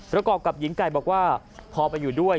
ประกอบกับหญิงไก่บอกว่าพอไปอยู่ด้วย